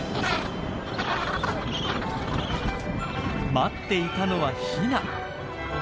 待っていたのはヒナ。